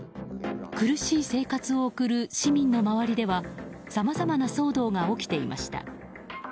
苦しい生活を送る市民の周りではさまざまな騒動が起きていました。